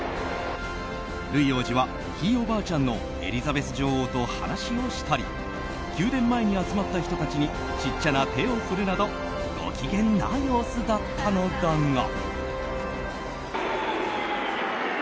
ルイ王子は、ひいおばあちゃんのエリザベス女王と話をしたり宮殿前に集まった人たちに小さな手を振るなどご機嫌な様子だったのだが。